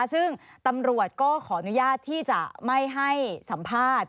ซึ่งตำรวจก็ขออนุญาตที่จะไม่ให้สัมภาษณ์